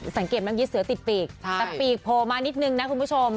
สังเกตนั้นก็คือเสือติดปีกแต่ปีกโพลมานิดหนึ่งนะคุณผู้ชม